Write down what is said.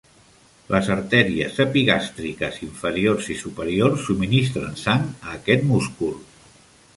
Les artèries epigàstriques inferiors i superiors subministren sang a aquest múscul.